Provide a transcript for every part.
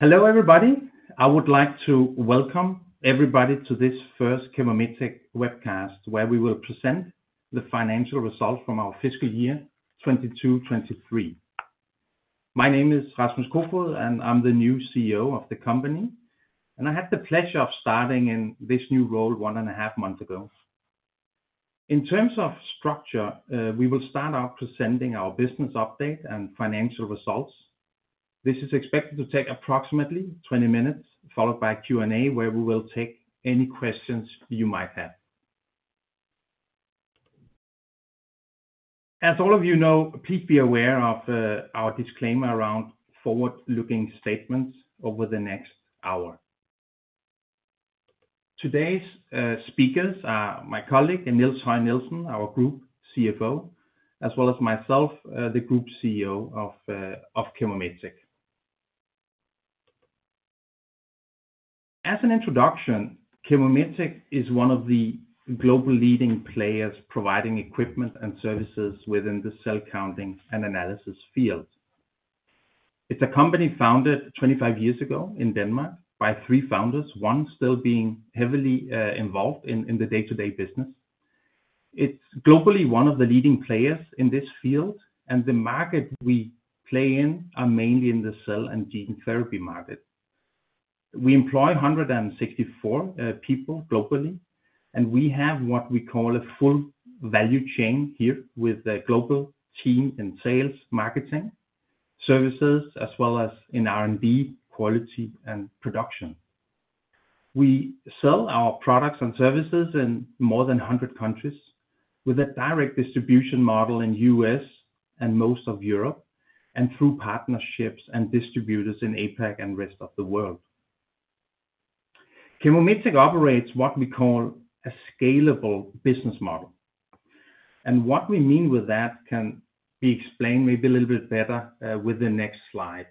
Hello, everybody. I would like to welcome everybody to this first ChemoMetec webcast, where we will present the financial results from our fiscal year 2022-2023. My name is Rasmus Kofoed, and I'm the new CEO of the company, and I had the pleasure of starting in this new role one and a half months ago. In terms of structure, we will start out presenting our business update and financial results. This is expected to take approximately 20 minutes, followed by a Q&A, where we will take any questions you might have. As all of you know, please be aware of our disclaimer around forward-looking statements over the next hour. Today's speakers are my colleague, Niels Høy Nielsen, our Group CFO, as well as myself, the Group CEO of ChemoMetec. As an introduction, ChemoMetec is one of the global leading players providing equipment and services within the cell counting and analysis field. It's a company founded 25 years ago in Denmark by three founders, one still being heavily involved in the day-to-day business. It's globally one of the leading players in this field, and the market we play in are mainly in the cell and gene therapy market. We employ 164 people globally, and we have what we call a full value chain here with a global team in sales, marketing, services, as well as in R&D, quality and production. We sell our products and services in more than 100 countries, with a direct distribution model in U.S. and most of Europe, and through partnerships and distributors in APAC and rest of the world. ChemoMetec operates what we call a scalable business model, and what we mean with that can be explained maybe a little bit better with the next slide.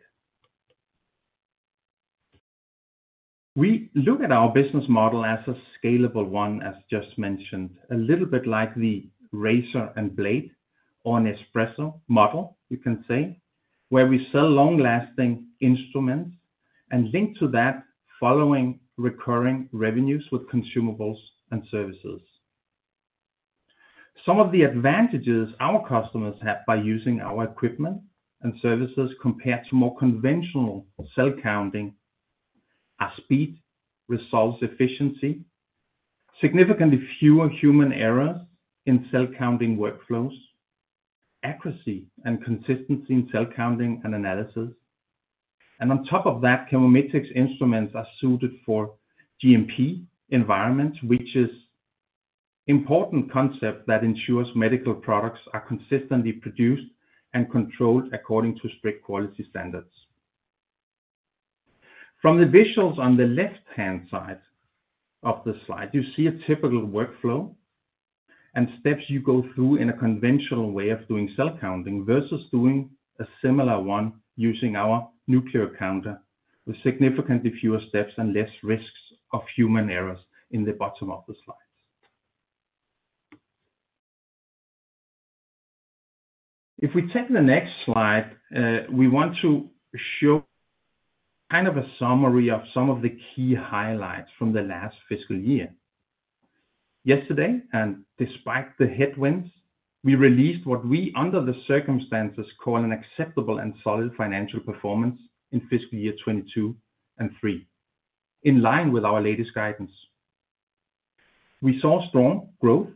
We look at our business model as a scalable one, as just mentioned, a little bit like the razor and blade or an espresso model, you can say, where we sell long-lasting instruments and link to that following recurring revenues with Consumables and Services. Some of the advantages our customers have by using our equipment and services compared to more conventional cell counting are speed, results efficiency, significantly fewer human errors in cell counting workflows, accuracy and consistency in cell counting and analysis. On top of that, ChemoMetec's Instruments are suited for GMP environments, which is important concept that ensures medical products are consistently produced and controlled according to strict quality standards. From the visuals on the left-hand side of the slide, you see a typical workflow and steps you go through in a conventional way of doing cell counting versus doing a similar one using our NucleoCounter, with significantly fewer steps and less risks of human errors in the bottom of the slides. If we take the next slide, we want to show kind of a summary of some of the key highlights from the last fiscal year. Yesterday, and despite the headwinds, we released what we, under the circumstances, call an acceptable and solid financial performance in fiscal year 2022 and 2023, in line with our latest guidance. We saw strong growth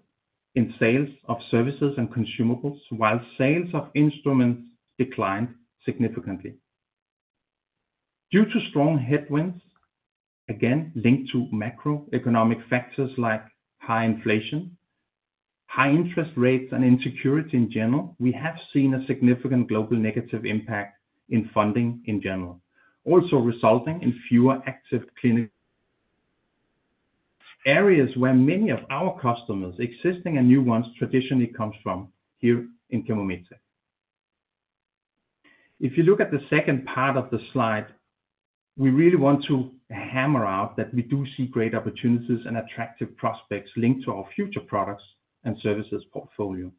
in sales of Services and Consumables, while sales of Instruments declined significantly. Due to strong headwinds, again, linked to macroeconomic factors like high inflation, high interest rates, and insecurity in general, we have seen a significant global negative impact in funding in general, also resulting in fewer active clinical areas where many of our customers, existing and new ones, traditionally comes from here in ChemoMetec. If you look at the second part of the slide, we really want to hammer out that we do see great opportunities and attractive prospects linked to our future products and Services portfolio.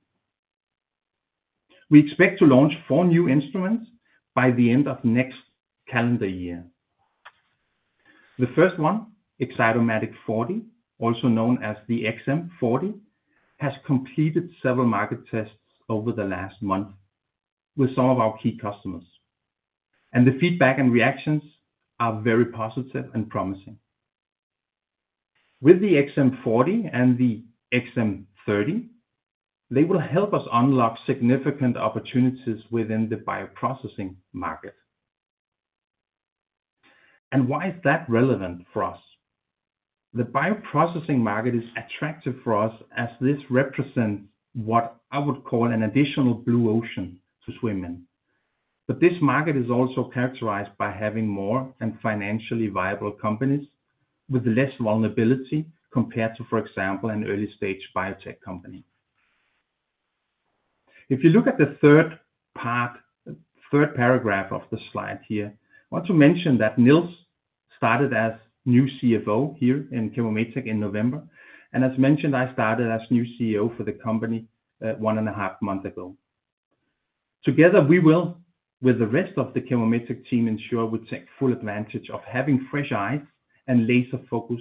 We expect to launch four new instruments by the end of next calendar year. The first one, XcytoMatic 40, also known as the XM40, has completed several market tests over the last month with some of our key customers, and the feedback and reactions are very positive and promising. With the XM40 and the XM30, they will help us unlock significant opportunities within the bioprocessing market. And why is that relevant for us? The bioprocessing market is attractive for us as this represents what I would call an additional blue ocean to swim in. But this market is also characterized by having more and financially viable companies with less vulnerability compared to, for example, an early-stage biotech company. If you look at the third part, the third paragraph of the slide here, I want to mention that Niels started as new CFO here in ChemoMetec in November, and as mentioned, I started as new CEO for the company, 1.5 month ago. Together, we will, with the rest of the ChemoMetec team, ensure we take full advantage of having fresh eyes and laser focus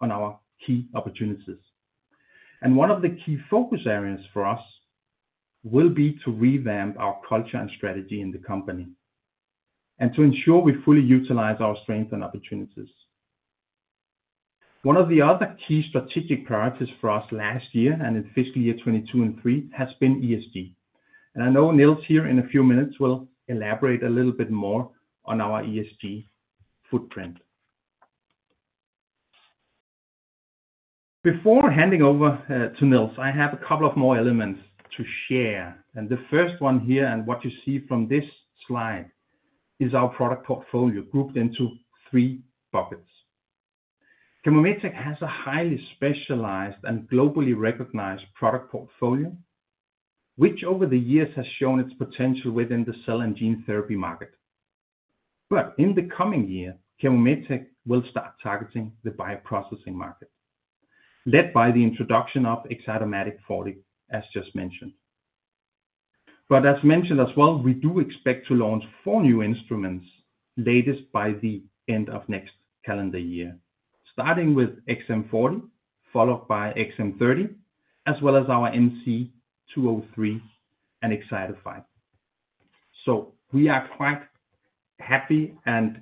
on our key opportunities. One of the key focus areas for us will be to revamp our culture and strategy in the company, and to ensure we fully utilize our strength and opportunities. One of the other key strategic priorities for us last year and in fiscal year 2022 and 2023 has been ESG. And I know Niels here in a few minutes will elaborate a little bit more on our ESG footprint. Before handing over to Niels, I have a couple of more elements to share, and the first one here, and what you see from this slide, is our product portfolio grouped into three buckets. ChemoMetec has a highly specialized and globally recognized product portfolio, which over the years has shown its potential within the cell and gene therapy market. But in the coming year, ChemoMetec will start targeting the bioprocessing market, led by the introduction of XcytoMatic 40, as just mentioned. But as mentioned as well, we do expect to launch four new instruments, latest by the end of next calendar year, starting with XM40, followed by XM30, as well as our NC-203 and Xcyto 5. So we are quite happy and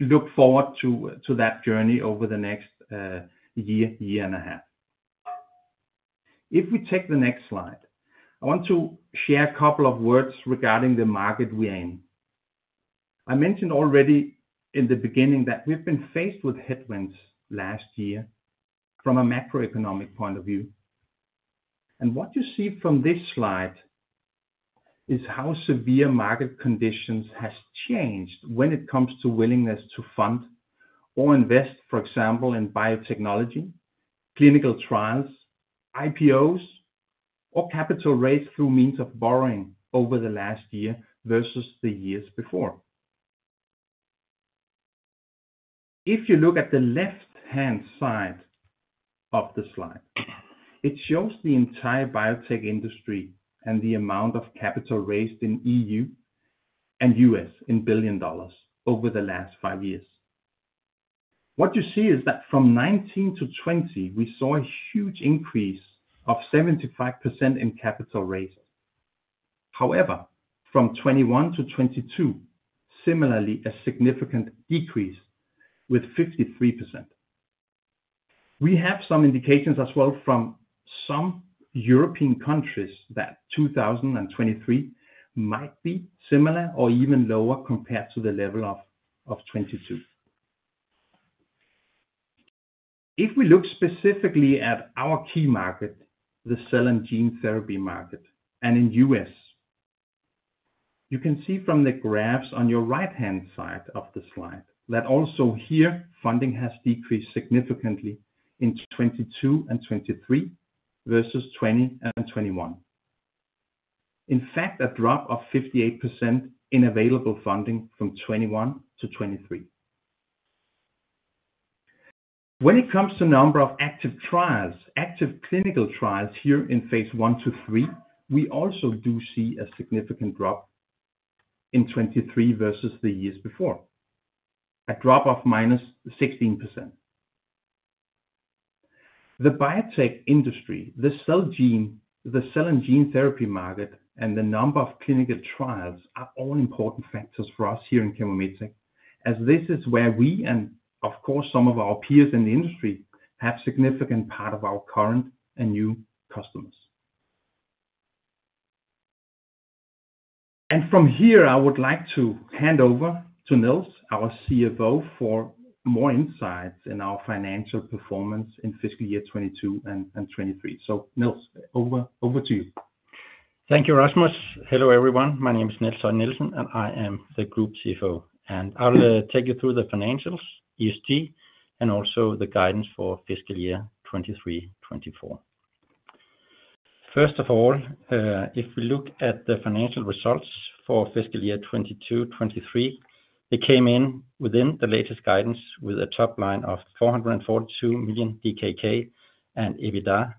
look forward to that journey over the next year, year and a half. If we take the next slide, I want to share a couple of words regarding the market we aim. I mentioned already in the beginning that we've been faced with headwinds last year from a macroeconomic point of view. And what you see from this slide is how severe market conditions has changed when it comes to willingness to fund or invest, for example, in biotechnology, clinical trials, IPOs, or capital raised through means of borrowing over the last year versus the years before. If you look at the left-hand side of the slide, it shows the entire biotech industry and the amount of capital raised in EU and U.S. in $ billion over the last five years. What you see is that from 2019 to 2020, we saw a huge increase of 75% in capital raises. However, from 2021 to 2022, similarly, a significant decrease with 53%. We have some indications as well from some European countries that 2023 might be similar or even lower compared to the level of 2022. If we look specifically at our key market, the cell and gene therapy market, and in U.S., you can see from the graphs on your right-hand side of the slide that also here, funding has decreased significantly in 2022 and 2023 versus 2020 and 2021. In fact, a drop of 58% in available funding from 2021 to 2023. When it comes to number of active trials, active clinical trials here in phase I-III, we also do see a significant drop in 2023 versus the years before. A drop of -16%. The biotech industry, the cell and gene, the cell and gene therapy market, and the number of clinical trials are all important factors for us here in ChemoMetec, as this is where we and, of course, some of our peers in the industry, have significant part of our current and new customers. From here, I would like to hand over to Niels, our CFO, for more insights in our financial performance in fiscal year 2022 and 2023. So Niels, over to you. Thank you, Rasmus. Hello, everyone. My name is Niels Høy Nielsen, and I am the group CFO, and I will take you through the financials, ESG, and also the guidance for fiscal year 2023-2024. First of all, if we look at the financial results for fiscal year 2022-2023, they came in within the latest guidance with a top line of 442 million DKK and EBITDA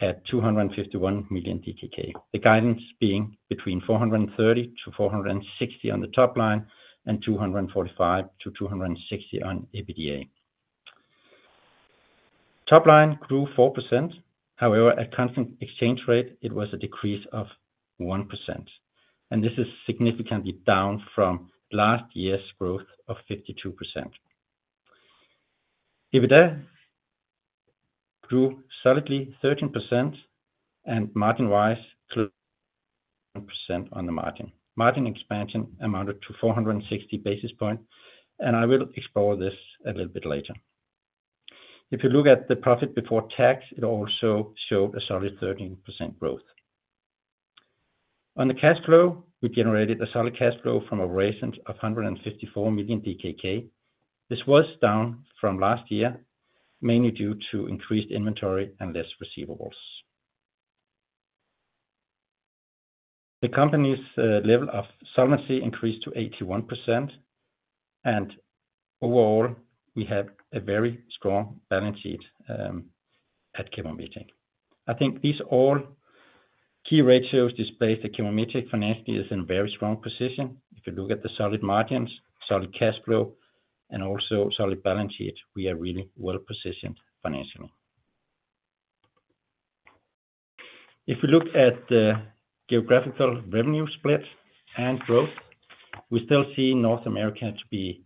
at 251 million DKK. The guidance being between 430 million-460 million on the top line, and 245 million-260 million on EBITDA. Top line grew 4%. However, at constant exchange rate, it was a decrease of 1%, and this is significantly down from last year's growth of 52%. EBITDA grew solidly 13% and margin-wise, percent on the margin. Margin expansion amounted to 460 basis points, and I will explore this a little bit later. If you look at the profit before tax, it also showed a solid 13% growth. On the cash flow, we generated a solid cash flow from operations of 154 million DKK. This was down from last year, mainly due to increased inventory and less receivables. The company's level of solvency increased to 81%.... Overall, we have a very strong balance sheet at ChemoMetec. I think these all key ratios display the ChemoMetec financially is in a very strong position. If you look at the solid margins, solid cash flow, and also solid balance sheet, we are really well positioned financially. If we look at the geographical revenue split and growth, we still see North America to be,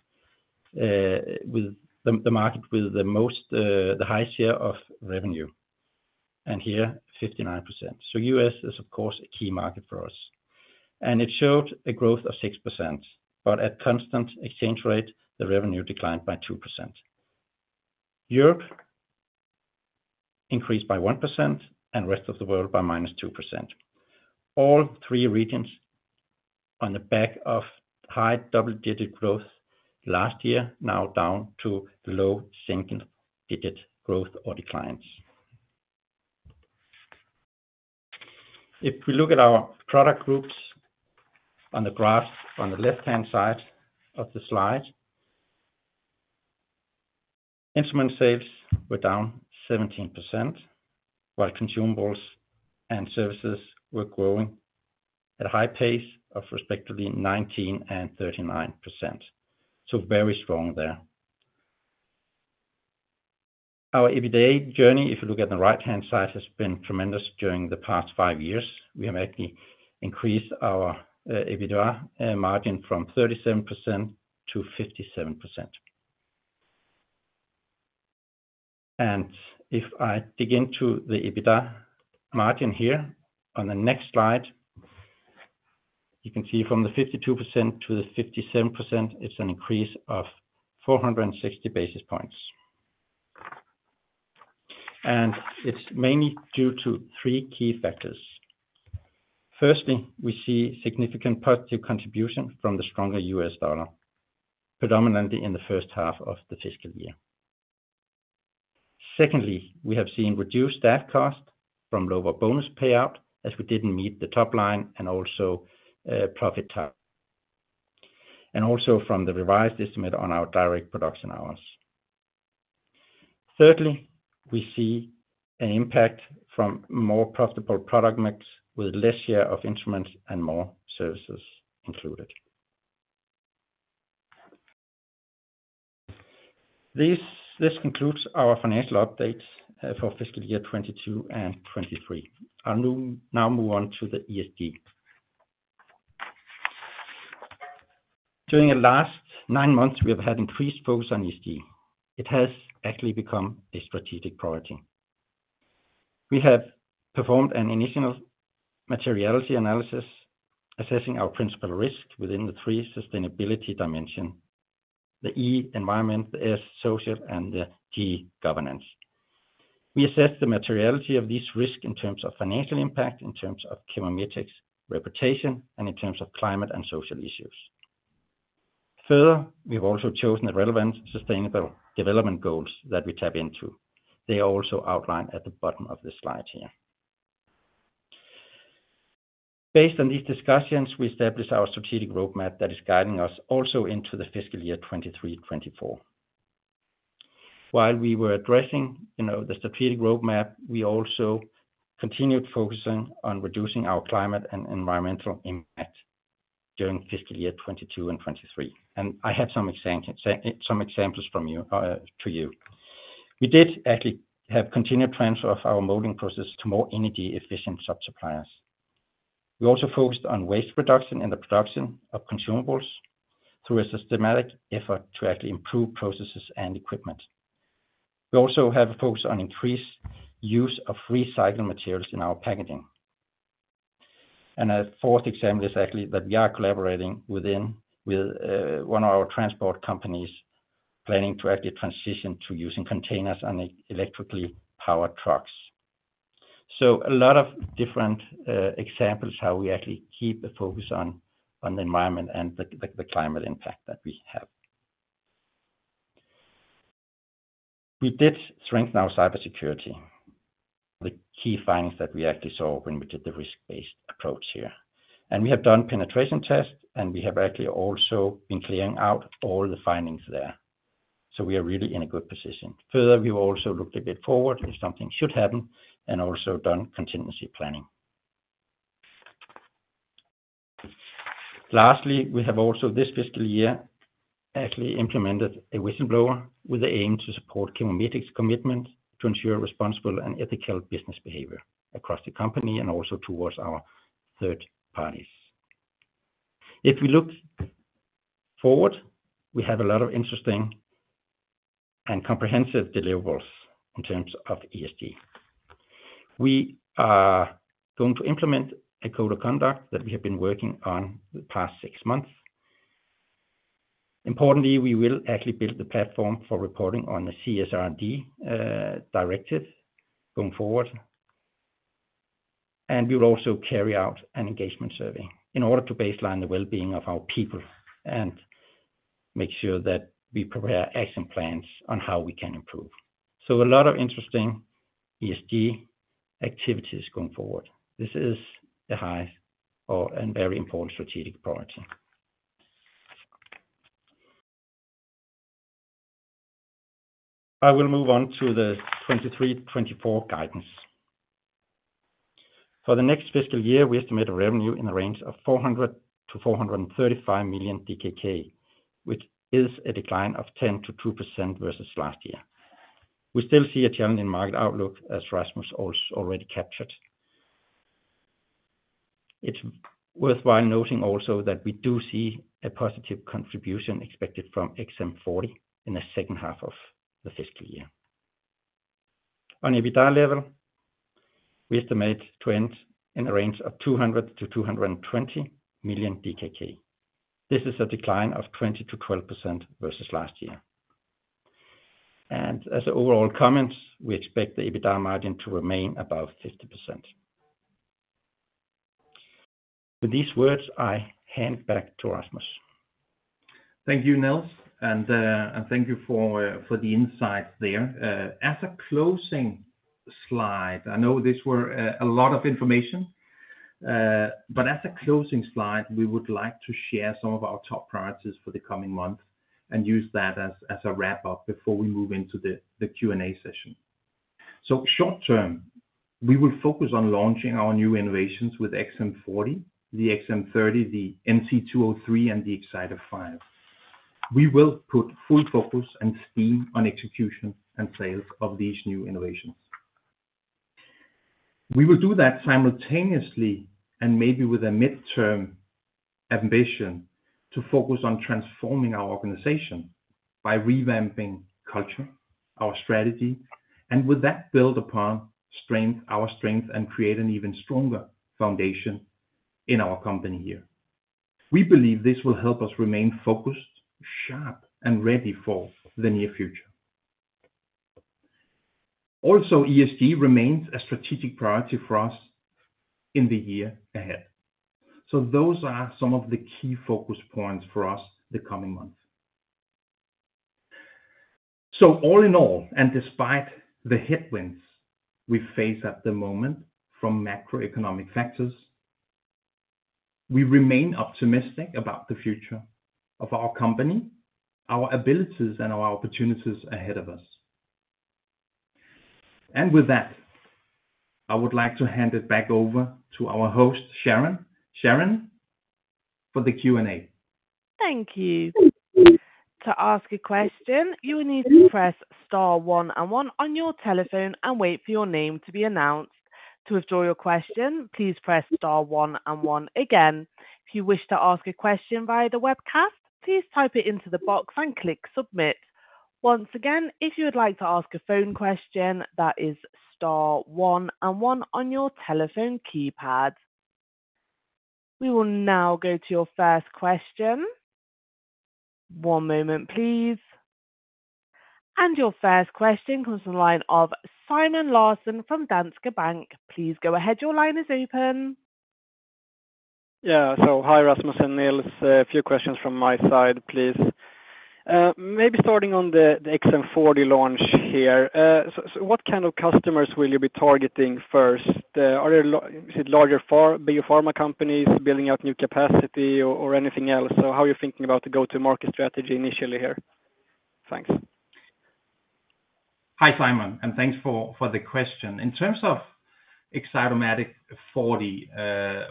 with the, the market with the most, the highest share of revenue, and here 59%. U.S. is, of course, a key market for us, and it showed a growth of 6%, but at constant exchange rate, the revenue declined by 2%. Europe increased by 1%, and rest of the world by -2%. All three regions on the back of high double-digit growth last year, now down to low single-digit growth or declines. If we look at our product groups on the graph, on the left-hand side of the slide, Instrument sales were down 17%, while Consumables and Services were growing at a high pace of respectively 19% and 39%. So very strong there. Our EBITDA journey, if you look at the right-hand side, has been tremendous during the past five years. We have actually increased our EBITDA margin from 37%-57%. If I dig into the EBITDA margin here on the next slide, you can see from the 52% to the 57%, it's an increase of 460 basis points. It's mainly due to three key factors. Firstly, we see significant positive contribution from the stronger U.S. dollar, predominantly in the first half of the fiscal year. Secondly, we have seen reduced staff cost from lower bonus payout, as we didn't meet the top line, and also profit target, and also from the revised estimate on our direct production hours. Thirdly, we see an impact from more profitable product mix, with less share of instruments and more services included. This concludes our financial update for fiscal year 2022 and 2023. I'll now move on to the ESG. During the last nine months, we have had increased focus on ESG. It has actually become a strategic priority. We have performed an initial materiality analysis, assessing our principal risk within the three sustainability dimension, the E, environment, the S, social, and the G, governance. We assess the materiality of this risk in terms of financial impact, in terms of ChemoMetec's reputation, and in terms of climate and social issues. Further, we've also chosen the relevant sustainable development goals that we tap into. They are also outlined at the bottom of this slide here. Based on these discussions, we established our strategic roadmap that is guiding us also into the fiscal year 2023, 2024. While we were addressing, you know, the strategic roadmap, we also continued focusing on reducing our climate and environmental impact during fiscal year 2022 and 2023. I have some examples from you to you. We did actually have continued transfer of our molding process to more energy efficient sub-suppliers. We also focused on waste reduction and the production of Consumables through a systematic effort to actually improve processes and equipment. We also have a focus on increased use of recycled materials in our packaging. A fourth example is actually that we are collaborating with one of our transport companies, planning to actually transition to using containers and electrically powered trucks. A lot of different examples how we actually keep the focus on the environment and the climate impact that we have. We did strengthen our cybersecurity, the key findings that we actually saw when we did the risk-based approach here. And we have done penetration tests, and we have actually also been clearing out all the findings there. So we are really in a good position. Further, we've also looked a bit forward, if something should happen, and also done contingency planning. Lastly, we have also, this fiscal year, actually implemented a whistleblower with the aim to support ChemoMetec's commitment to ensure responsible and ethical business behavior across the company and also towards our third parties. If we look forward, we have a lot of interesting and comprehensive deliverables in terms of ESG. We are going to implement a code of conduct that we have been working on the past six months. Importantly, we will actually build the platform for reporting on the CSRD directive going forward. We will also carry out an engagement survey in order to baseline the well-being of our people and make sure that we prepare action plans on how we can improve. So a lot of interesting ESG activities going forward. This is a high and very important strategic priority. I will move on to the 2023-2024 guidance. For the next fiscal year, we estimate a revenue in the range of 400 million-435 million DKK, which is a decline of 10%-2% versus last year. We still see a challenging market outlook, as Rasmus also already captured. It's worth noting also that we do see a positive contribution expected from XM40 in the second half of the fiscal year. On EBITDA level, we estimate to end in the range of 200 million-220 million DKK. This is a decline of 20%-12% versus last year. As overall comments, we expect the EBITDA margin to remain above 50%. With these words, I hand back to Rasmus. Thank you, Niels, and thank you for the insights there. As a closing slide, I know these were a lot of information, but as a closing slide, we would like to share some of our top priorities for the coming month and use that as a wrap-up before we move into the Q&A session. So short term, we will focus on launching our new innovations with XM40, the XM30, the NC-203, and the Xcyto 5. We will put full focus and steam on execution and sales of these new innovations. We will do that simultaneously and maybe with a midterm ambition to focus on transforming our organization by revamping culture, our strategy, and with that, build upon strength, our strength, and create an even stronger foundation in our company here. We believe this will help us remain focused, sharp, and ready for the near future. Also, ESG remains a strategic priority for us in the year ahead. So those are some of the key focus points for us the coming months. So all in all, and despite the headwinds we face at the moment from macroeconomic factors, we remain optimistic about the future of our company, our abilities, and our opportunities ahead of us. And with that, I would like to hand it back over to our host, Sharon. Sharon, for the Q&A. Thank you. To ask a question, you will need to press star one and one on your telephone and wait for your name to be announced. To withdraw your question, please press star one and one again. If you wish to ask a question via the webcast, please type it into the box and click submit. Once again, if you would like to ask a phone question, that is star one and one on your telephone keypad. We will now go to your first question. One moment, please. Your first question comes from the line of Simon Larsson from Danske Bank. Please go ahead. Your line is open. Yeah. So hi, Rasmus and Niels. A few questions from my side, please. Maybe starting on the XM40 launch here. So what kind of customers will you be targeting first? Are there, is it larger pharma, big pharma companies building out new capacity or anything else? So how are you thinking about the go-to-market strategy initially here? Thanks. Hi, Simon, and thanks for the question. In terms of XcytoMatic 40,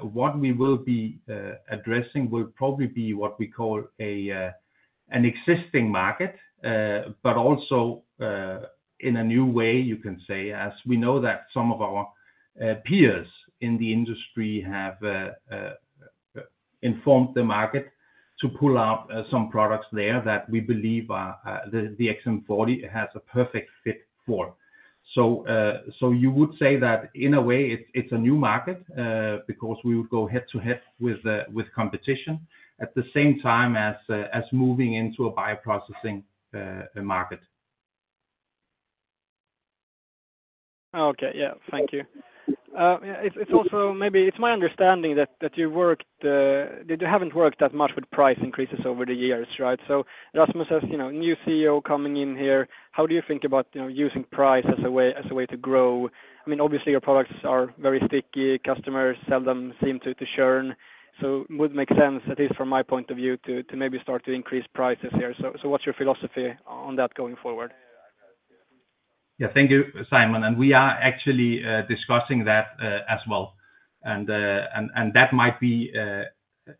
what we will be addressing will probably be what we call an existing market, but also in a new way, you can say, as we know that some of our peers in the industry have informed the market to pull out some products there that we believe are the XM40 has a perfect fit for. So you would say that in a way, it's a new market, because we would go head-to-head with competition at the same time as moving into a bioprocessing market. Okay. Yeah, thank you. Yeah, it's also... maybe it's my understanding that you worked that you haven't worked that much with price increases over the years, right? So Rasmus, as you know, new CEO coming in here, how do you think about, you know, using price as a way, as a way to grow? I mean, obviously, your products are very sticky. Customers seldom seem to churn, so would make sense, at least from my point of view, to maybe start to increase prices here. So what's your philosophy on that going forward? Yeah. Thank you, Simon. And we are actually discussing that as well. And that might be,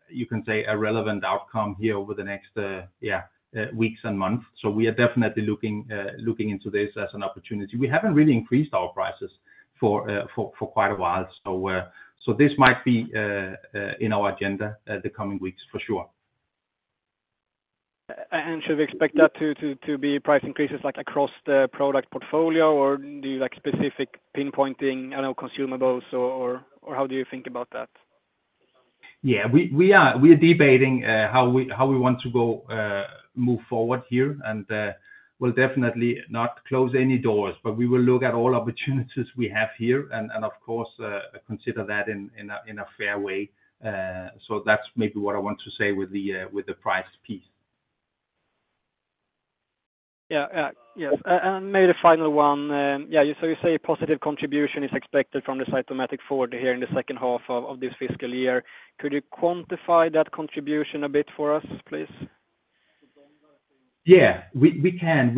you can say, a relevant outcome here over the next yeah weeks and months. So we are definitely looking into this as an opportunity. We haven't really increased our prices for quite a while. So this might be in our agenda the coming weeks for sure. And should we expect that to be price increases, like, across the product portfolio, or do you like specific pinpointing, I don't know, Consumables, or how do you think about that? Yeah. We are debating how we want to move forward here, and we'll definitely not close any doors, but we will look at all opportunities we have here and of course consider that in a fair way. So that's maybe what I want to say with the price piece. ... Yeah, yes. And maybe the final one, yeah, so you say a positive contribution is expected from the XcytoMatic 40 here in the second half of this fiscal year. Could you quantify that contribution a bit for us, please? Yeah, we can.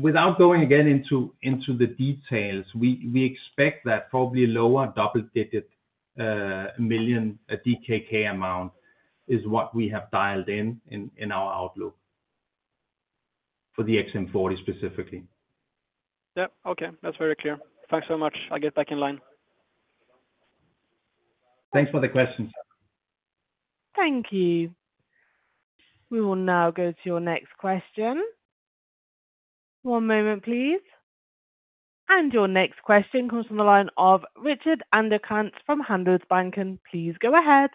Without going again into the details, we expect that probably a lower double-digit million DKK amount is what we have dialed in our outlook for the XM40 specifically. Yep. Okay, that's very clear. Thanks so much. I'll get back in line. Thanks for the question, sir. Thank you. We will now go to your next question. One moment, please. Your next question comes from the line of Rickard Anderkrans from Handelsbanken. Please go ahead.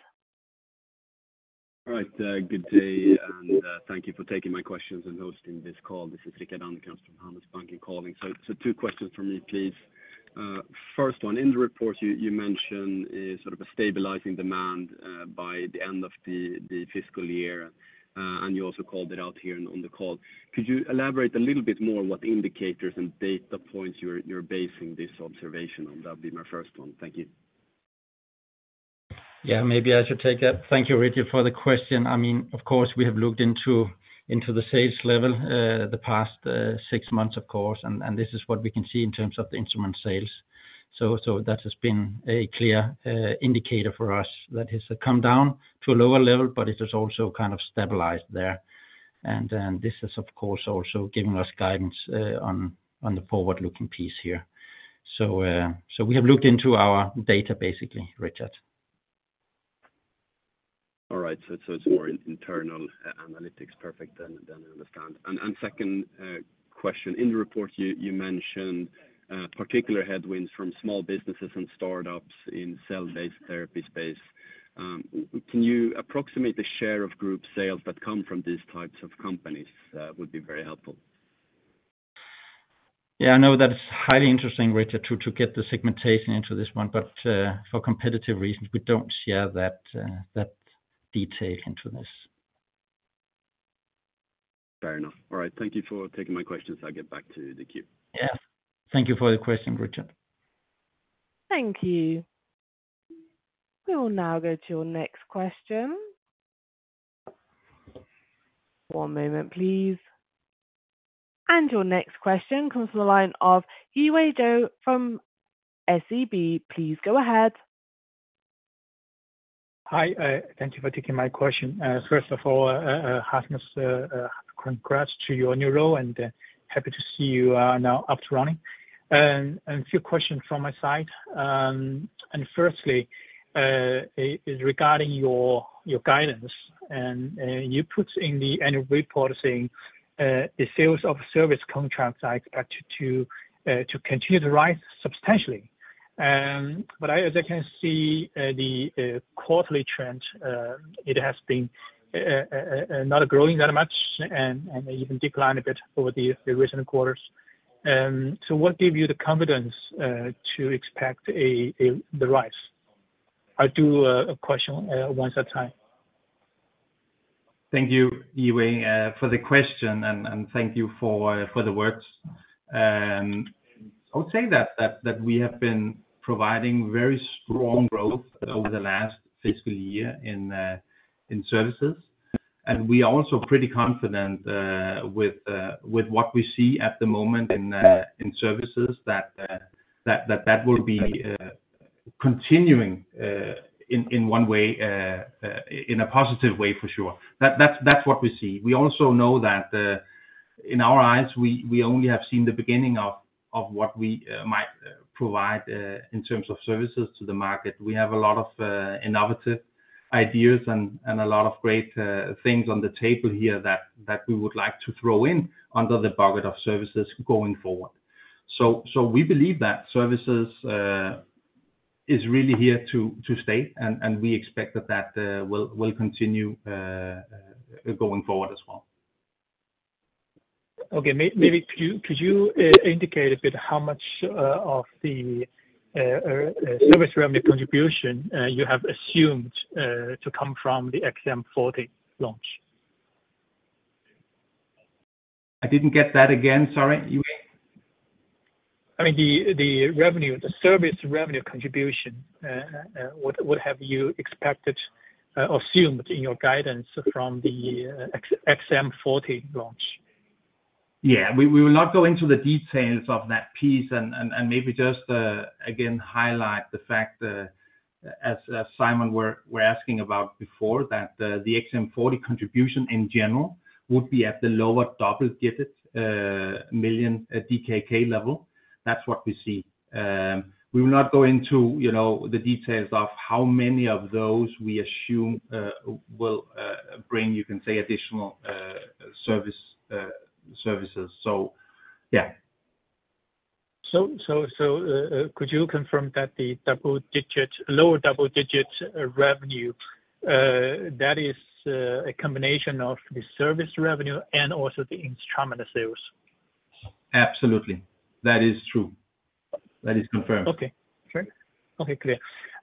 All right. Good day, and, thank you for taking my questions and hosting this call. This is Rickard Anderkrans from Handelsbanken calling. So, two questions for me, please. First one, in the report you mentioned, is sort of a stabilizing demand, by the end of the fiscal year, and you also called it out here on the call. Could you elaborate a little bit more what indicators and data points you're basing this observation on? That'd be my first one. Thank you. Yeah, maybe I should take that. Thank you, Rickard, for the question. I mean, of course, we have looked into the sales level, the past six months, of course, and this is what we can see in terms of the Instrument sales. So that has been a clear indicator for us that has come down to a lower level, but it has also kind of stabilized there. And then this is, of course, also giving us guidance on the forward-looking piece here. So we have looked into our data, basically, Rickard. All right. So it's more internal analytics. Perfect, then I understand. And second question: In the report, you mentioned particular headwinds from small businesses and startups in cell-based Therapy space. Can you approximate the share of group sales that come from these types of companies? Would be very helpful. Yeah, I know that is highly interesting, Rickard, to get the segmentation into this one, but for competitive reasons, we don't share that detail into this. Fair enough. All right, thank you for taking my questions. I'll get back to the queue. Yes, thank you for the question, Rickard. Thank you. We will now go to your next question. One moment, please. Your next question comes from the line of Yiwei Zhou from SEB. Please go ahead. Hi, thank you for taking my question. First of all, Rasmus, congrats to your new role, and happy to see you are now up and running. A few questions from my side. First, is regarding your guidance, and you put in the annual report saying the sales of service contracts are expected to continue to rise substantially. But as I can see, the quarterly trend it has been not growing that much and even decline a bit over the recent quarters. So what gave you the confidence to expect the rise? I'll do one question at a time. Thank you, Yiwei, for the question, and thank you for the words. I would say that we have been providing very strong growth over the last fiscal year in Services. And we are also pretty confident with what we see at the moment in Services that will be continuing in one way in a positive way, for sure. That's what we see. We also know that in our eyes, we only have seen the beginning of what we might provide in terms of Services to the market. We have a lot of innovative ideas and a lot of great things on the table here that we would like to throw in under the bucket of Services going forward. So we believe that Services is really here to stay, and we expect that will continue going forward as well. Okay, maybe could you indicate a bit how much of the service revenue contribution you have assumed to come from the XM40 launch? I didn't get that again. Sorry, Yiwei. I mean, the revenue, the service revenue contribution, what have you expected, assumed in your guidance from the XcytoMatic 40 launch? Yeah, we will not go into the details of that piece and maybe just again highlight the fact that as Simon were asking about before, that the XM40 contribution in general would be at the lower double digits million DKK level. That's what we see. We will not go into, you know, the details of how many of those we assume will bring, you can say, additional services. So, yeah. Could you confirm that the double-digit, lower double-digit revenue that is a combination of the Services revenue and also the Instrument sales?... Absolutely. That is true. That is confirmed. Okay, sure. Okay, clear.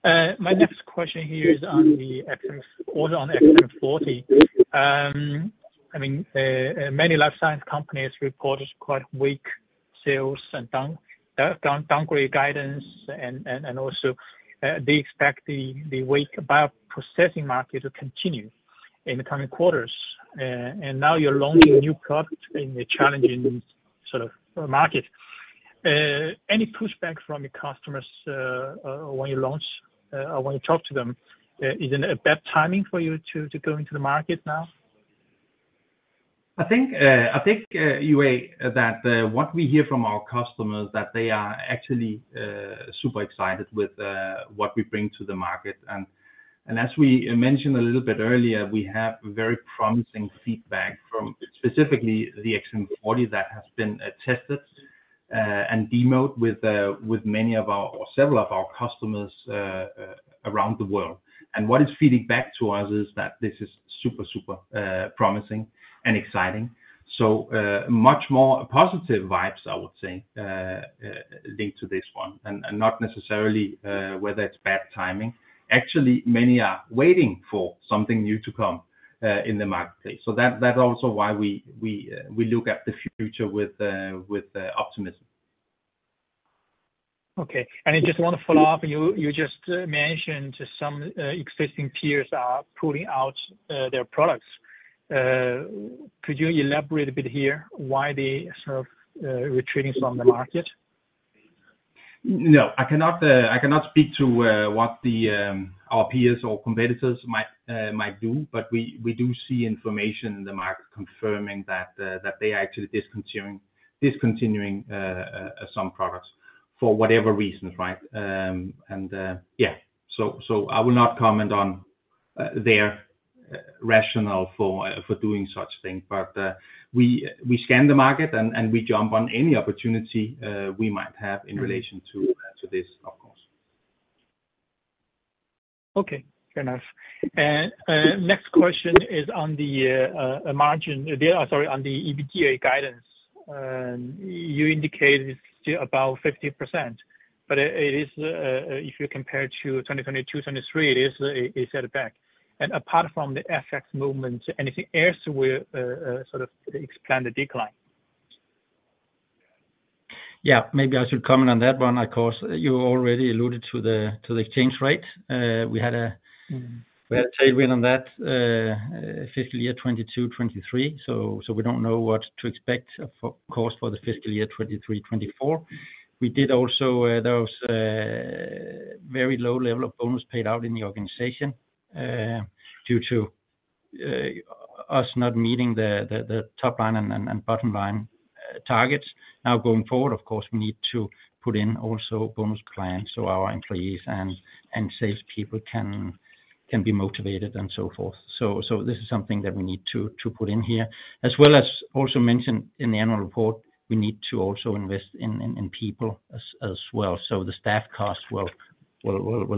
My next question here is on the XM, order on XM40. I mean, many life science companies reported quite weak sales and down, downgrade guidance, and also, they expect the weak bioprocessing market to continue in the coming quarters. And now you're launching new products in a challenging sort of market. Any pushback from your customers, when you launch, or when you talk to them? Isn't it bad timing for you to go into the market now? I think, I think that what we hear from our customers, that they are actually super excited with what we bring to the market. And as we mentioned a little bit earlier, we have very promising feedback from specifically the XM40 that has been tested and demoed with many of our or several of our customers around the world. And what is feeding back to us is that this is super, super promising and exciting. So, much more positive vibes, I would say linked to this one, and not necessarily whether it's bad timing. Actually, many are waiting for something new to come in the marketplace. So that's also why we, we, we look at the future with optimism. Okay. And I just wanna follow up, you just mentioned some existing peers are pulling out their products. Could you elaborate a bit here why they are sort of retreating from the market? No, I cannot speak to what our peers or competitors might do, but we do see information in the market confirming that they are actually discontinuing some products for whatever reasons, right? And yeah, so I will not comment on their rationale for doing such thing. But we scan the market, and we jump on any opportunity we might have in relation to this, of course. Okay, fair enough. And next question is on the margin, sorry, on the EBITDA guidance. You indicated it's still about 50%, but it is, if you compare it to 2022, 2023, it is a setback. And apart from the FX movement, anything else will sort of explain the decline? Yeah, maybe I should comment on that one. Of course, you already alluded to the exchange rate. We had a tailwind on that fiscal year 2022-2023, so we don't know what to expect, of course, for the fiscal year 2023-2024. We did also those very low level of bonus paid out in the organization due to us not meeting the top line and bottom line targets. Now, going forward, of course, we need to put in also bonus plans so our employees and sales people can be motivated and so forth. So this is something that we need to put in here. As well as also mentioned in the annual report, we need to also invest in people as well. The staff costs will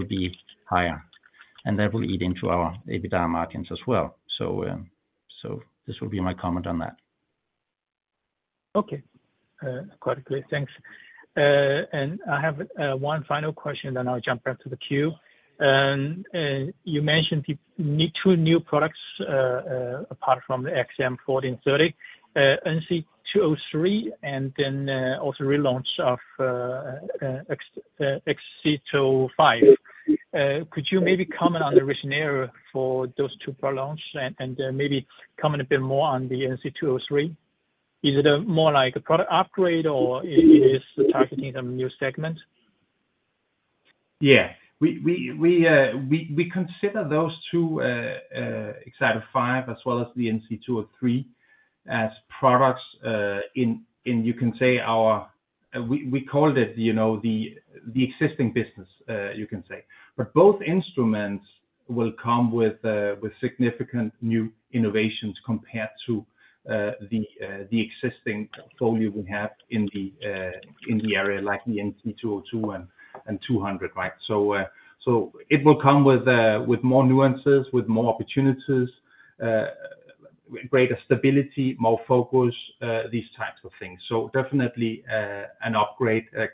be higher, and that will eat into our EBITDA margins as well. So this will be my comment on that. Okay. Quite clear. Thanks. And I have one final question, then I'll jump back to the queue. You mentioned you need two new products apart from the XM40 and 30, NC-203, and then also relaunch of Xcyto 5. Could you maybe comment on the rationale for those two product launch and maybe comment a bit more on the NC-203? Is it a more like a product upgrade, or is it targeting some new segment? Yeah. We consider those two, Xcyto 5 as well as the NC-203, as products in you can say our—we call it, you know, the existing business, you can say. But both Instruments will come with significant new innovations compared to the existing portfolio we have in the area, like the NC-202 and 200, right? So it will come with more nuances, with more opportunities, greater stability, more focus, these types of things. So definitely an upgrade, a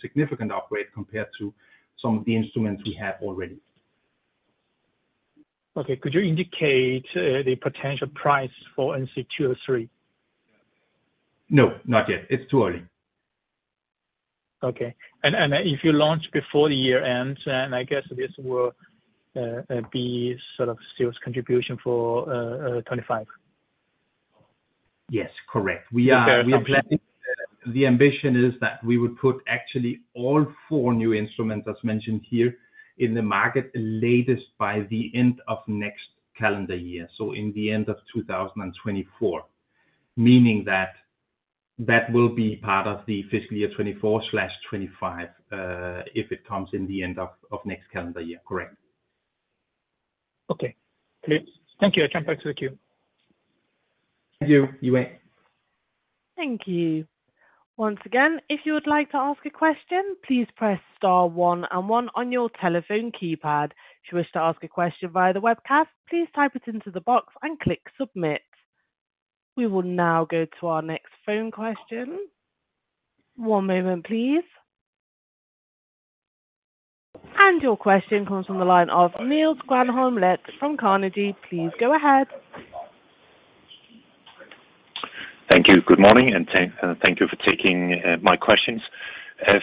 significant upgrade compared to some of the instruments we have already. Okay. Could you indicate the potential price for NC-203? No, not yet. It's too early. Okay. And if you launch before the year ends, then I guess this will be sort of sales contribution for 2025. Yes, correct. Okay, okay. We are planning. The ambition is that we would put actually all four new instruments, as mentioned here, in the market latest by the end of next calendar year, so in the end of 2024. Meaning that, that will be part of the fiscal year 2024/2025, if it comes in the end of next calendar year. Correct. Okay, great. Thank you. I jump back to the queue. Thank you, Yiwei. Thank you.... Once again, if you would like to ask a question, please press star one and one on your telephone keypad. If you wish to ask a question via the webcast, please type it into the box and click Submit. We will now go to our next phone question. One moment, please. And your question comes from the line of Niels Granholm-Leth from Carnegie. Please go ahead. Thank you. Good morning, and thank you for taking my questions.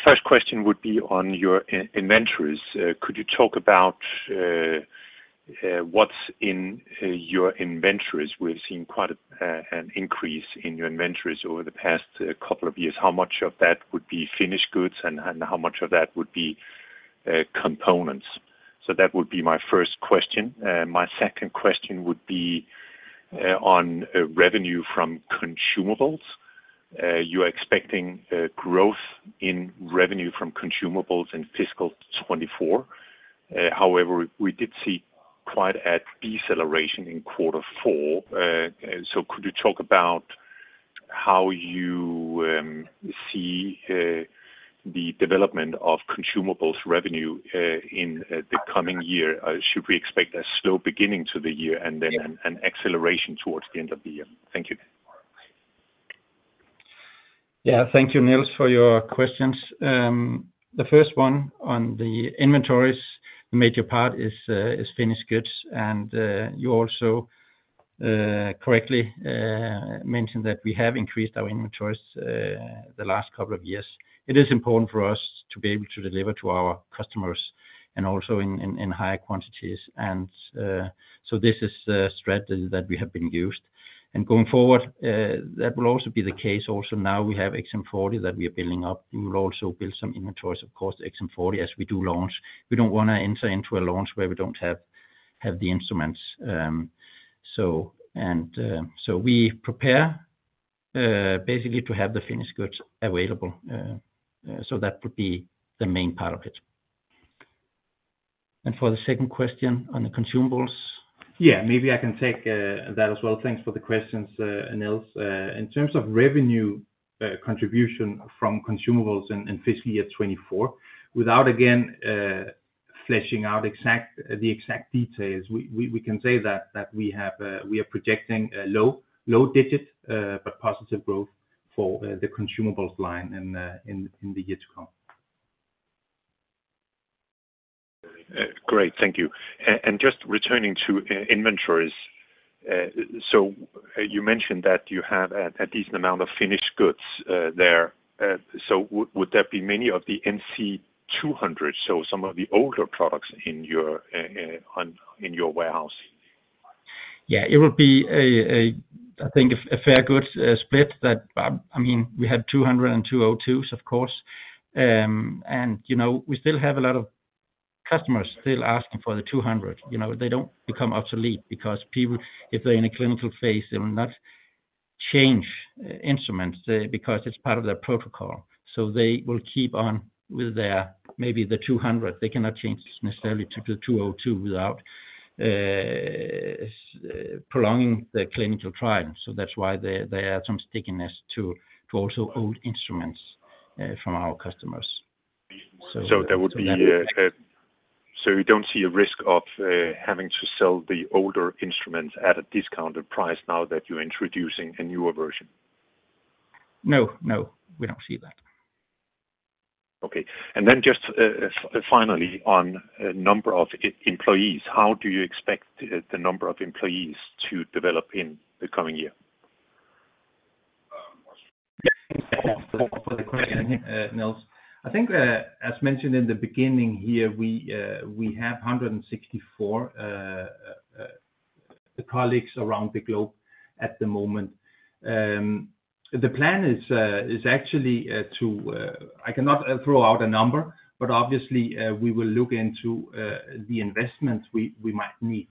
First question would be on your inventories. Could you talk about what's in your inventories? We've seen quite an increase in your inventories over the past couple of years. How much of that would be finished goods, and how much of that would be components? So that would be my first question. My second question would be on revenue from Consumables. You are expecting growth in revenue from Consumables in fiscal 2024. However, we did see quite a deceleration in quarter four. So could you talk about how you see the development of Consumables revenue in the coming year? Should we expect a slow beginning to the year and then an acceleration towards the end of the year? Thank you. Yeah, thank you, Niels, for your questions. The first one on the inventories, the major part is finished goods, and you also correctly mentioned that we have increased our inventories the last couple of years. It is important for us to be able to deliver to our customers and also in high quantities, and so this is a strategy that we have been used. And going forward, that will also be the case. Also, now we have XM40 that we are building up. We will also build some inventories, of course, XM40, as we do launch. We don't wanna enter into a launch where we don't have the instruments. So and so we prepare basically to have the finished goods available. So that would be the main part of it. For the second question on the Consumables? Yeah, maybe I can take that as well. Thanks for the questions, Niels. In terms of revenue contribution from Consumables in fiscal year 2024, without again fleshing out the exact details, we can say that we are projecting a low double-digit but positive growth for the Consumables line in the years to come. Great. Thank you. And just returning to inventories. So you mentioned that you have a decent amount of finished goods there. So would there be many of the NC-200, so some of the older products in your warehouse? Yeah, it would be, I think, a fair good split that... I mean, we had 200s and 202s, of course. And, you know, we still have a lot of customers still asking for the 200. You know, they don't become obsolete because people, if they're in a clinical phase, they will not change Instruments, because it's part of their protocol. So they will keep on with their, maybe the 200. They cannot change this necessarily to the 202 without prolonging the clinical trial. So that's why they, they add some stickiness to, to also old instruments, from our customers. So- So you don't see a risk of having to sell the older instruments at a discounted price now that you're introducing a newer version? No, no, we don't see that. Okay. And then just, finally, on a number of employees, how do you expect the number of employees to develop in the coming year? Thanks for the question, Niels. I think, as mentioned in the beginning here, we have 164 colleagues around the globe at the moment. The plan is actually to I cannot throw out a number, but obviously, we will look into the investments we might need.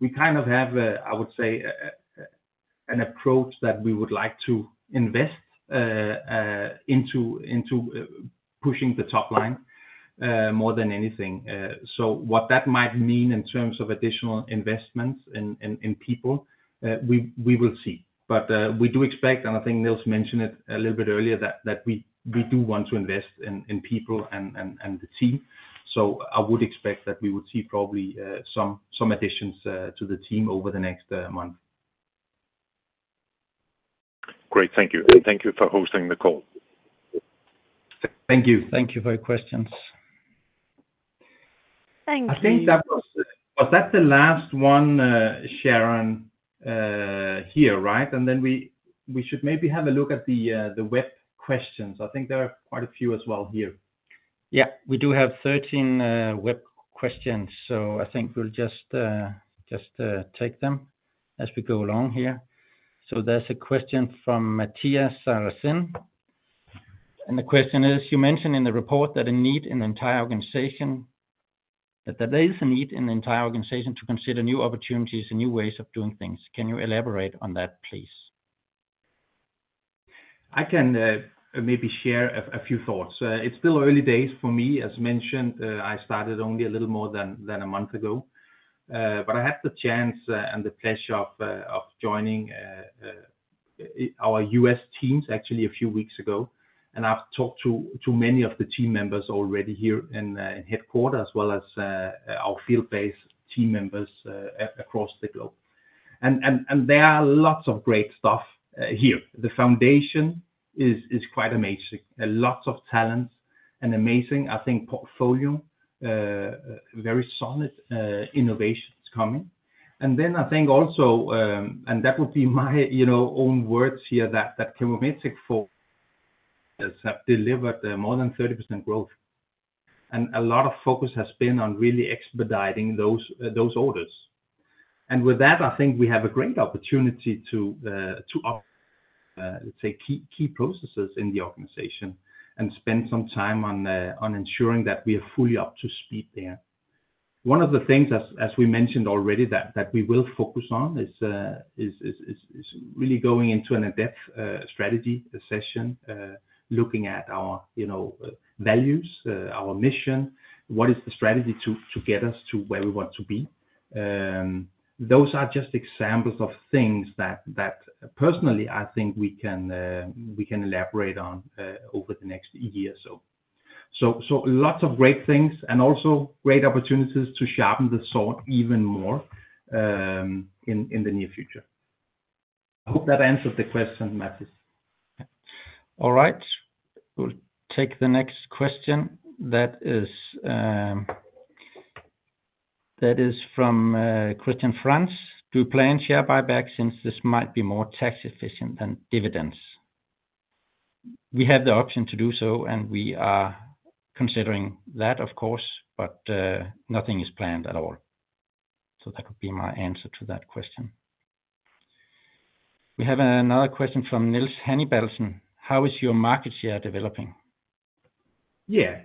We kind of have, I would say, an approach that we would like to invest into pushing the top line more than anything. So what that might mean in terms of additional investments in people, we will see. But we do expect, and I think Niels mentioned it a little bit earlier, that we do want to invest in people and the team. I would expect that we would see probably some additions to the team over the next month. Great. Thank you, and thank you for hosting the call. Thank you. Thank you for your questions. Thank you. I think that was. Was that the last one, Sharon, here, right? And then we should maybe have a look at the web questions. I think there are quite a few as well here. Yeah, we do have 13 web questions, so I think we'll just, just, take them as we go along here. So there's a question from Matthias Saracen, and the question is: You mentioned in the report that a need an entire organization, that there is a need in the entire organization to consider new opportunities and new ways of doing things. Can you elaborate on that, please? I can maybe share a few thoughts. It's still early days for me. As mentioned, I started only a little more than a month ago. But I had the chance and the pleasure of joining our US teams actually a few weeks ago, and I've talked to many of the team members already here in the headquarters, as well as our field-based team members across the globe. And there are lots of great stuff here. The foundation is quite amazing. A lots of talents and amazing, I think, portfolio, very solid innovations coming. And then I think also, and that would be my, you know, own words here, that ChemoMetec has delivered more than 30% growth, and a lot of focus has been on really expediting those orders. And with that, I think we have a great opportunity to, let's say, key processes in the organization and spend some time on ensuring that we are fully up to speed there. One of the things, as we mentioned already, that we will focus on is really going into an in-depth strategy session, looking at our, you know, values, our mission, what is the strategy to get us to where we want to be. Those are just examples of things that personally I think we can elaborate on over the next year or so. So lots of great things and also great opportunities to sharpen the sword even more in the near future. I hope that answers the question, Mathis. All right. We'll take the next question. That is, that is from Christian France. Do you plan share buyback, since this might be more tax efficient than dividends? We have the option to do so, and we are considering that, of course, but nothing is planned at all. So that would be my answer to that question. We have another question from Niels Hannibalsen: How is your market share developing? Yeah.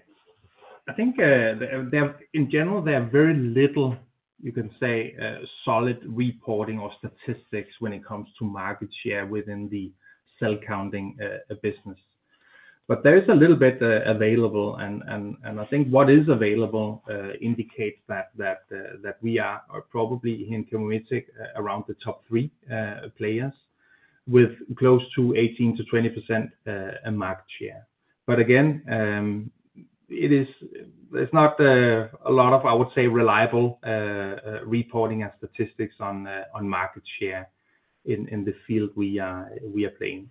I think in general, there are very little, you can say, solid reporting or statistics when it comes to market share within the cell counting business. But there is a little bit available, and I think what is available indicates that we are probably in ChemoMetec around the top three players, with close to 18%-20% market share. But again, it is—There's not a lot of, I would say, reliable reporting and statistics on market share in the field we are playing.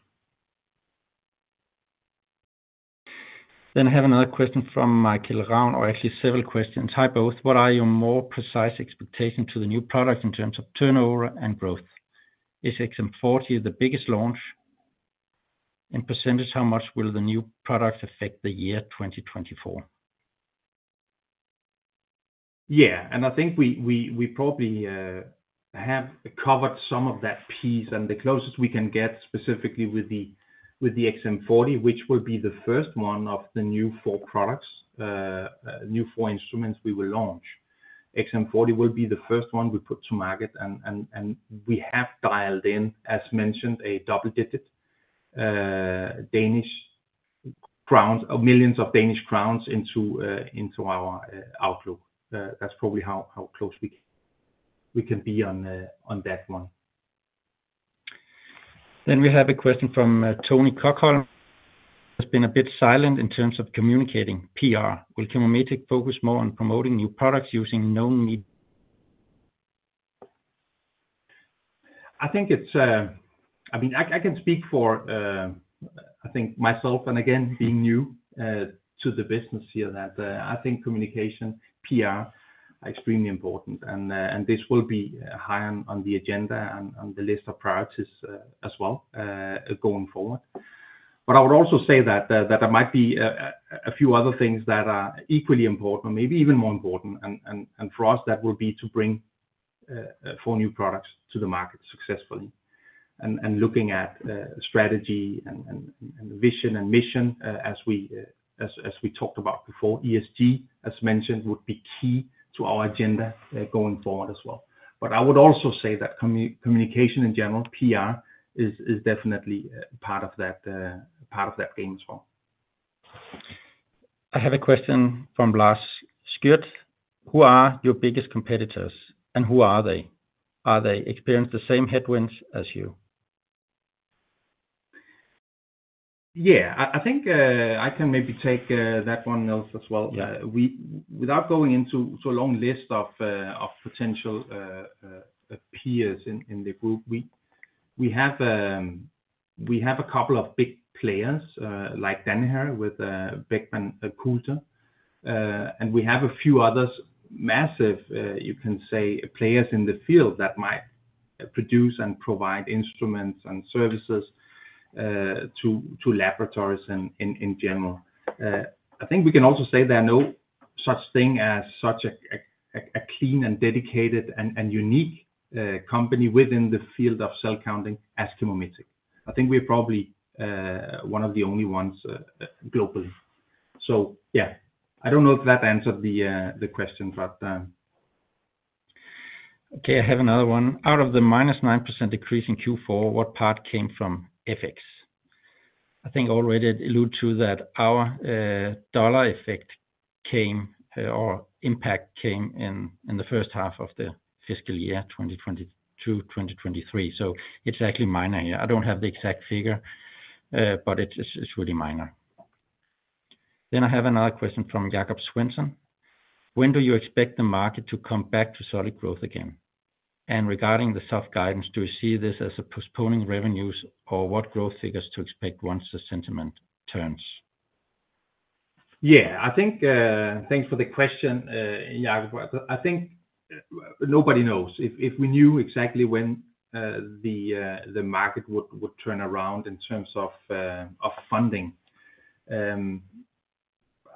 Then I have another question from Michael Raun, or actually several questions. Hi, both. What are your more precise expectations to the new products in terms of turnover and growth? Is XM40 the biggest launch? In percentage, how much will the new products affect the year 2024? Yeah, and I think we probably have covered some of that piece, and the closest we can get, specifically with the XM40, which will be the first one of the new four products, new four instruments we will launch. XM40 will be the first one we put to market, and we have dialed in, as mentioned, a double-digit millions Danish crowns into our outlook. That's probably how close we can be on that one. Then we have a question from Tony Cockhorn. He's been a bit silent in terms of communicating PR. Will ChemoMetec focus more on promoting new products, using no need? I think it's... I mean, I, I can speak for, I think myself, and again, being new to the business here, that, I think communication, PR, are extremely important, and, and this will be high on, on the agenda and on the list of priorities, as well, going forward. But I would also say that there might be a few other things that are equally important or maybe even more important, and for us, that would be to bring four new products to the market successfully. And looking at, strategy and, vision and mission, as we, as we talked about before, ESG, as mentioned, would be key to our agenda, going forward as well. I would also say that communication in general, PR, is definitely a part of that part of that game as well. I have a question from Lars Skjøth. Who are your biggest competitors, and who are they? Are they experienced the same headwinds as you? Yeah. I think I can maybe take that one, Niels, as well. Yeah. Without going into so long list of potential peers in the group, we have a couple of big players like Danaher with Beckman Coulter, and we have a few others, massive, you can say, players in the field that might produce and provide Instruments and Services to laboratories and in general. I think we can also say there are no such thing as such a clean and dedicated and unique company within the field of cell counting as ChemoMetec. I think we're probably one of the only ones globally. So, yeah, I don't know if that answered the question, but.. Okay, I have another one. Out of the -9% decrease in Q4, what part came from FX?... I think already allude to that our dollar effect came, or impact came in, in the first half of the fiscal year, 2020 to 2023. So it's actually minor here. I don't have the exact figure, but it's really minor. Then I have another question from Jacob Swinson. When do you expect the market to come back to solid growth again? And regarding the soft guidance, do you see this as a postponing revenues or what growth figures to expect once the sentiment turns? Yeah, I think, thanks for the question, Jacob. I think nobody knows. If we knew exactly when the market would turn around in terms of funding,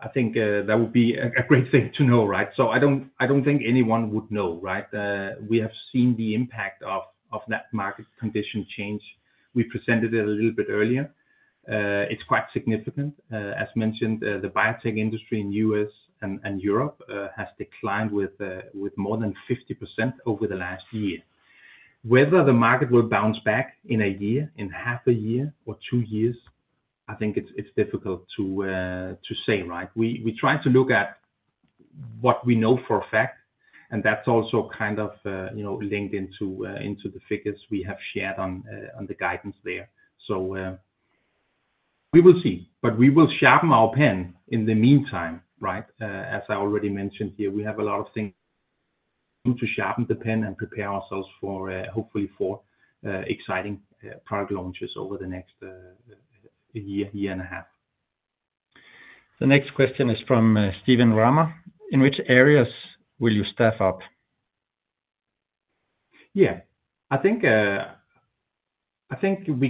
I think that would be a great thing to know, right? So I don't, I don't think anyone would know, right? We have seen the impact of that market condition change. We presented it a little bit earlier. It's quite significant. As mentioned, the biotech industry in U.S. and Europe has declined with more than 50% over the last year. Whether the market will bounce back in a year, in half a year, or two years, I think it's difficult to say, right? We try to look at what we know for a fact, and that's also kind of you know linked into the figures we have shared on the guidance there. So, we will see. But we will sharpen our pen in the meantime, right? As I already mentioned here, we have a lot of things to sharpen the pen and prepare ourselves for, hopefully for exciting product launches over the next year and a half. The next question is from Steven Rama: In which areas will you staff up? Yeah. I think we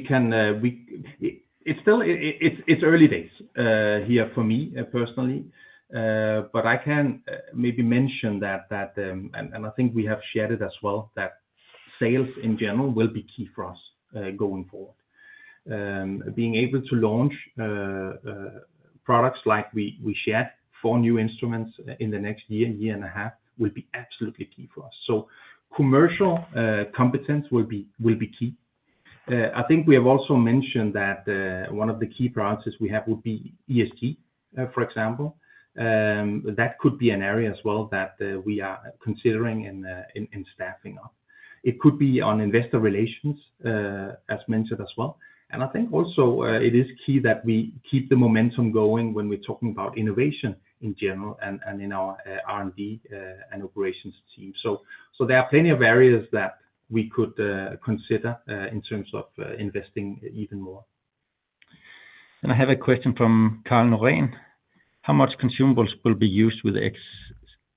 can, it's still early days here for me personally. But I can maybe mention that. And I think we have shared it as well, that sales in general will be key for us going forward. Being able to launch products like we shared, four new instruments in the next year and a half, will be absolutely key for us. So commercial competence will be key. I think we have also mentioned that, one of the key priorities we have will be ESG, for example. That could be an area as well that we are considering in staffing up. It could be on investor relations, as mentioned as well. And I think also, it is key that we keep the momentum going when we're talking about innovation in general and in our R&D and operations team. So there are plenty of areas that we could consider in terms of investing even more. And I have a question from Carl Norén: How much consumables will be used with X,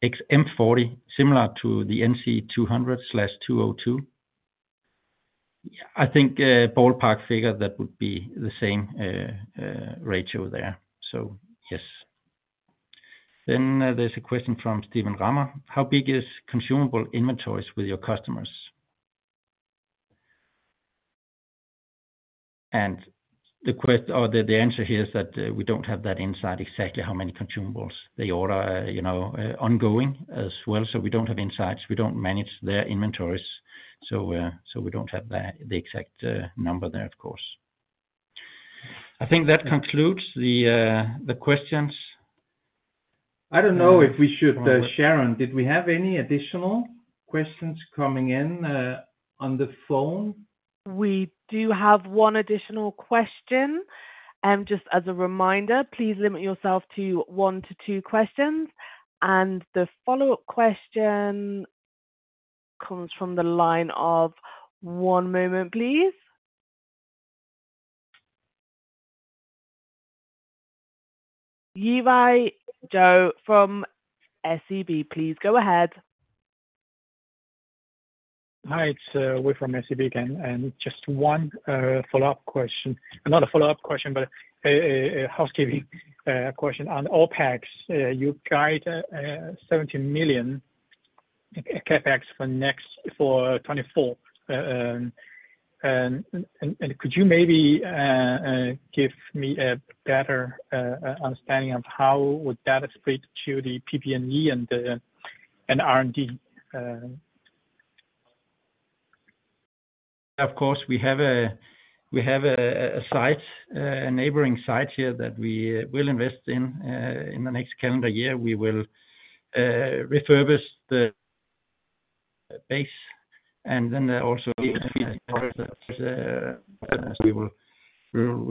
XM40, similar to the NC-200/202? Yeah, I think, ballpark figure, that would be the same ratio there. So yes. Then there's a question from Steven Rama: How big is consumable inventories with your customers? And the answer here is that we don't have that insight, exactly how many consumables. They order, you know, ongoing as well, so we don't have insights. We don't manage their inventories, so we don't have the exact number there, of course. I think that concludes the questions. I don't know if we should... Sharon, did we have any additional questions coming in on the phone? We do have one additional question. Just as a reminder, please limit yourself to one to two questions. The follow-up question comes from the line of... One moment, please. Yiwei Zhou from SEB, please go ahead. Hi, it's Wei from SEB again, and just one follow-up question. Not a follow-up question, but a housekeeping question. On OpEx, you guide 70 million CapEx for 2024. And could you maybe give me a better understanding of how would that spread to the PP&E and the R&D? Of course, we have a neighboring site here that we will invest in. In the next calendar year, we will refurbish the base, and then also we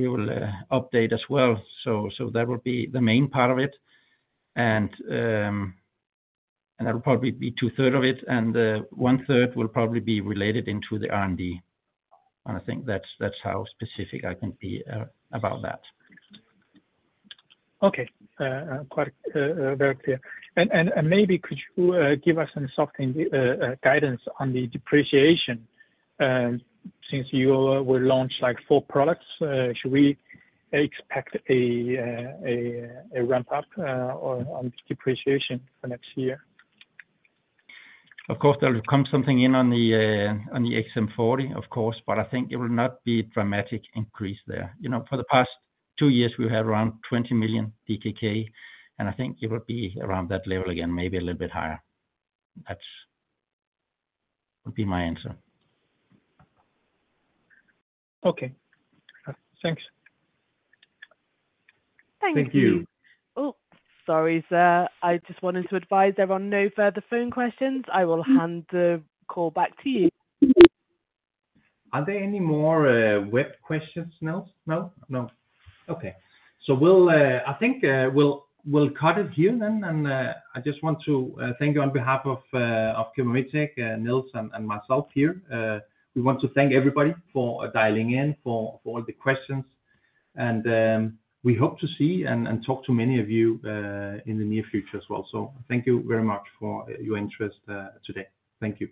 will update as well. So, that will be the main part of it, and that will probably be two-thirds of it, and one-third will probably be related into the R&D. I think that's how specific I can be about that. Okay, quite very clear. And maybe could you give us some sort of guidance on the depreciation, since you will launch, like, 4 products, should we expect a ramp up on depreciation for next year? Of course, there will come something in on the XM40, of course, but I think it will not be a dramatic increase there. You know, for the past two years, we've had around 20 million DKK, and I think it will be around that level again, maybe a little bit higher. That would be my answer. Okay. Thanks. Thank you. Thank you. Oh, sorry, sir. I just wanted to advise there are no further phone questions. I will hand the call back to you. Are there any more web questions, Niels? No? No. Okay. So we'll, I think, we'll cut it here then, and I just want to thank you on behalf of ChemoMetec, Niels and myself here. We want to thank everybody for dialing in, for all the questions, and we hope to see and talk to many of you in the near future as well. So thank you very much for your interest today. Thank you.